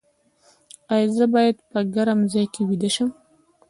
ایا زه باید په ګرم ځای کې ویده شم؟